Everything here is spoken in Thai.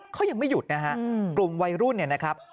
เขายังไม่หยุดนะฮะกลุ่มวัยรุ่นเนี่ยนะครับ